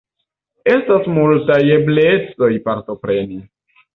Estas multaj eblecoj partopreni.